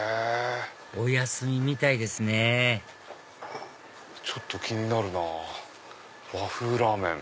お休みみたいですねちょっと気になる和風ラーメン。